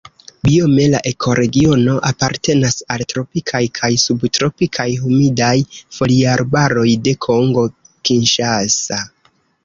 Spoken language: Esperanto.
Biome la ekoregiono apartenas al tropikaj kaj subtropikaj humidaj foliarbaroj de Kongo Kinŝasa.